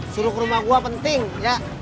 suruh ke rumah gue penting ya